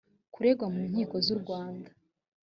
kuregwa mu nkiko z u rwanda